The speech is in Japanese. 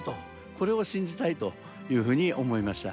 これを信じたいというふうに思いました。